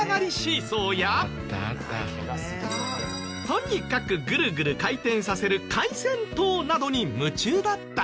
とにかくグルグル回転させる回旋塔などに夢中だった。